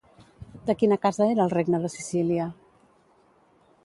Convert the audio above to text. De quina casa era el Regne de Sicília?